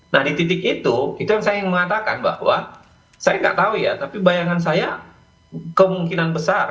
nah di titik itu itu yang saya ingin mengatakan bahwa saya nggak tahu ya tapi bayangan saya kemungkinan besar